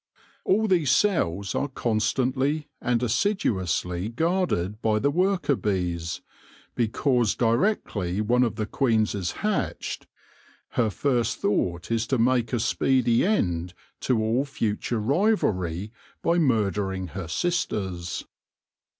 All these cells are constantly and assiduously guarded by the worker bees, because directly one of the queens is hatched, her first thought is to make a speedy end to all future rivalry by mur dering her sisters.